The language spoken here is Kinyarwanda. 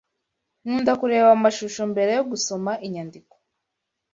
Nkunda kureba amashusho mbere yo gusoma inyandiko.